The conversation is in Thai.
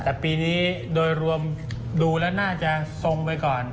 แต่ปีนี้โดยรวมดูแล้วน่าจะทรงไปก่อน